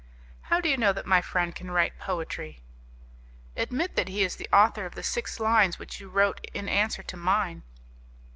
"How do you know that my friend can write poetry?" "Admit that he is the author of the six lines which you wrote in answer to mine."